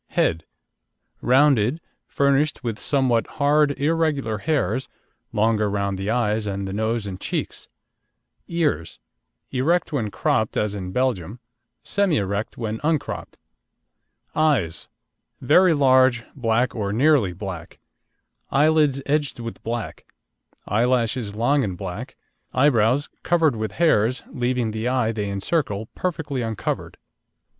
HEAD Rounded, furnished with somewhat hard, irregular hairs, longer round the eyes, on the nose and cheeks. EARS Erect when cropped as in Belgium, semi erect when uncropped. EYES Very large, black, or nearly black; eyelids edged with black, eyelashes long and black, eyebrows covered with hairs, leaving the eye they encircle perfectly uncovered.